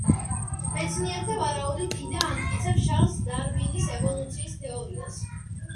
მეცნიერთა ვარაუდით, იდა ამტკიცებს ჩარლზ დარვინის ევოლუციის თეორიას.